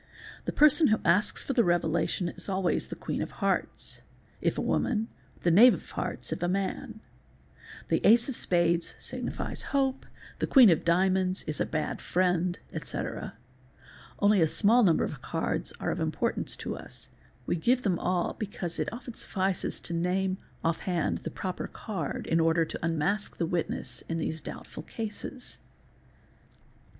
'The person who asks for the revela & tion is always the queen of hearts, if a woman—the knave of hearts, if a ' man; the ace of spades signifies hope, the queen of diamonds a bad friend, ete. Only a small number of cards are of importance to us: we give them all because it often suffices to name, off hand, the proper card, in order to unmask the witness in these doubtful cases.